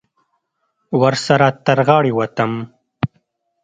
ورسره تر غاړې ووتم.